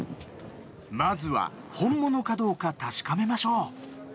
まずは本物かどうか確かめましょう。